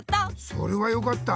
それはよかった。